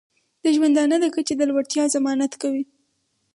د ژوندانه د کچې د لوړتیا ضمانت کوي.